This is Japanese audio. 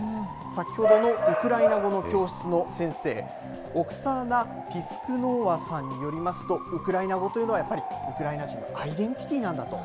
先ほどのウクライナ語の教室の先生、オクサーナ・ピスクノーワさんによりますと、ウクライナ語というのは、やっぱりウクライナ人のアイデンティティーなんだと。